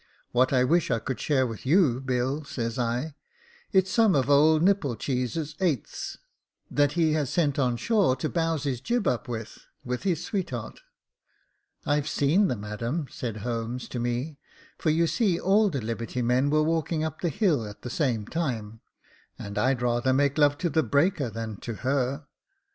What I wish I could share with you, Bill,' says I j * it's some of old Nipcheese's eighths, that he has sent on shore to bowse his jib up with, with his sweetheart.' "* I've seen the madam,' said Holmes to me — for you see all the liberty men were walking up the hill at the same time —* and I'd rather make love to the breaker than to her.